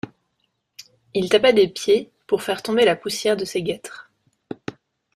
Il tapa des pieds pour faire tomber la poussière de ses guêtres.